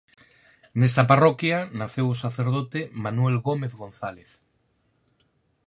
Nesta parroquia naceu o sacerdote Manuel Gómez González.